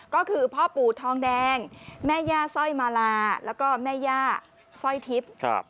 ก็คือพ่อปู่ทองแดงแม่ย่าสร้อยมาลาแล้วก็แม่ย่าสร้อยทิพย์